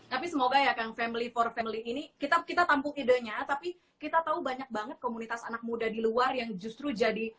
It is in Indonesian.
tapi semoga ya kang family for family ini kita tampung idenya tapi kita tahu banyak banget komunitas anak muda di luar yang justru jadi